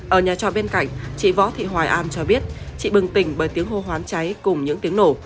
ở nhà trọ bên cạnh chị võ thị hoài an cho biết chị bừng tỉnh bởi tiếng hô hoán cháy cùng những tiếng nổ